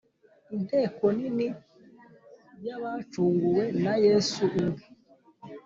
Inteko nini y’ abacunguwe na Yesu ubwe!